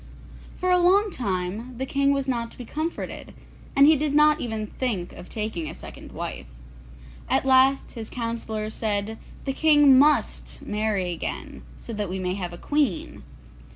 For a long time the King was not to be comforted, and he did not even think of taking a second wife. At last his councillors said, 'The King must marry again, so that we may have a queen.